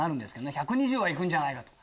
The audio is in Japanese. １２０は行くんじゃないかと。